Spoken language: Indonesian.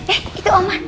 eh itu oma